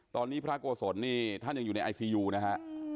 ตอนนี้พระโกศลนี่ท่านยังอยู่ในไอซียูนะฮะ